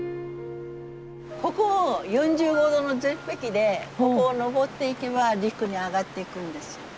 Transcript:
ここ４５度の絶壁でここを登っていけば陸に上がっていくんです。